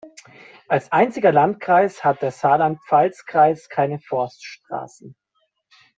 Als einziger Landkreis hat der Saarpfalz-Kreis keine Forststraßen.